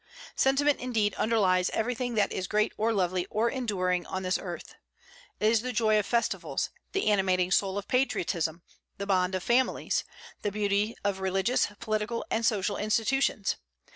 Sentiment, indeed, underlies everything that is great or lovely or enduring on this earth. It is the joy of festivals, the animating soul of patriotism, the bond of families, the beauty of religious, political, and social institutions.